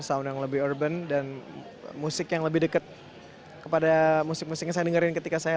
sound yang lebih urban dan musik yang lebih dekat kepada musik musik yang saya dengerin ketika saya